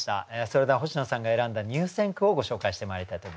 それでは星野さんが選んだ入選句をご紹介してまいりたいと思います。